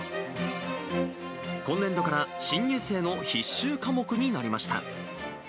今年度から新入生の必修科目になりました。